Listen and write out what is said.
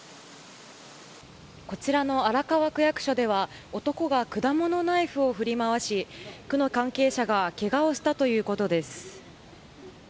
こちらの荒川区役所では男が果物ナイフを振り回し区の関係者がけがをしたということです。